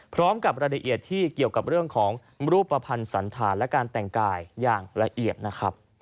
พร้อมกับรายละเอียดที่เกี่ยวกับเรื่องของรูปภัณฑ์สันธารและการแต่งกายอย่างละเอียดนะครับ